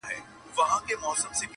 څوك به واچوي سندرو ته نومونه٫